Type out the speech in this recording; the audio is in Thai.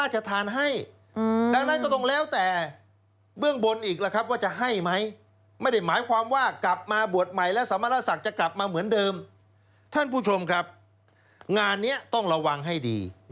จอบตามยุทธการดงขมินสายสะอาด